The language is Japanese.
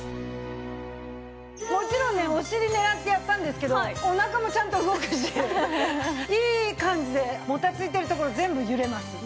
もちろんねお尻狙ってやったんですけどおなかもちゃんと動くしいい感じでもたついてるところ全部揺れます。